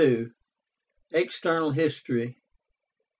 EXTERNAL HISTORY.